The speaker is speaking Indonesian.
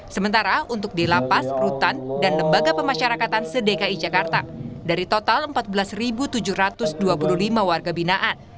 sementara untuk di lapas rutan dan lembaga pemasyarakatan sedekai jakarta dari total empat belas tujuh ratus dua puluh lima warga binaan